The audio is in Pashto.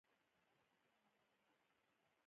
د رول روښانه تشرېح او کړنو لپاره روښانه پولې ټاکل.